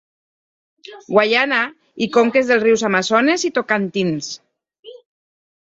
Guaiana i conques dels rius Amazones i Tocantins.